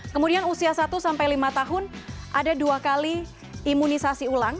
kemudian usia satu sampai lima tahun ada dua kali imunisasi ulang